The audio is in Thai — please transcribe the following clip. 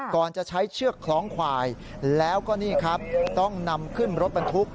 ก่อนจะใช้เชือกคล้องควายแล้วก็นี่ครับต้องนำขึ้นรถบรรทุก